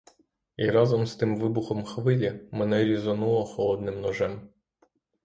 І разом з тим вибухом хвилі мене різонуло холодним ножем.